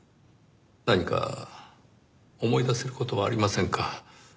何か思い出せる事はありませんか？